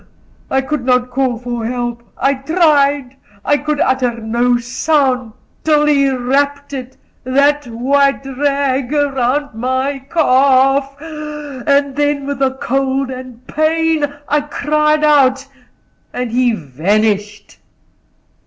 I could not call for help I tried, I could utter no sound, till he wrapped it that white rag round my calf, and then, with the cold and pain, I cried out, and he vanished."